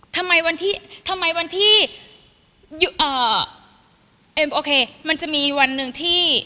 ทำไมวันที่ทำไมวันที่เอ็มโอเคมันจะมีวันหนึ่งที่